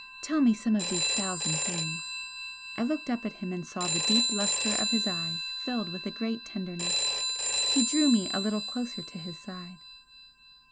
Tell me some of these thousand things!" I looked up at him and saw the deep lustre of his eyes filled with a great tenderness. He drew me a little closer to his side.